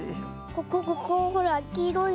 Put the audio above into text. ここここほらきいろいの。